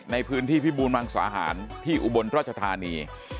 ในพื้นที่พิบูรมังสาหารที่อุบลราชธานี